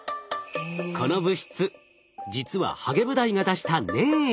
この物質実はハゲブダイが出した粘液。